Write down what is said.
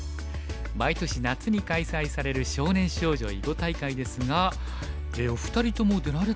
毎年夏に開催される少年少女囲碁大会ですがお二人とも出られたんですよね？